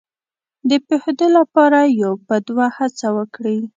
د پوهېدو لپاره یو په دوه هڅه وکړي.